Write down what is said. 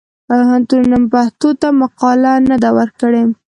پوهنتونونه پښتو ته مقاله نه ده ورکړې.